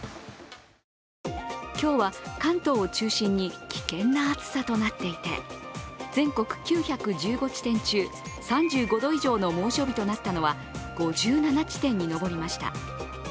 今日は関東を中心に危険な暑さとなっていて、全国９１５地点中、３５度以上の猛暑日となったのは、５７地点に上りました。